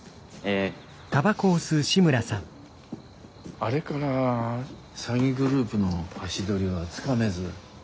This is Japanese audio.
あれから詐欺グループの足取りはつかめず？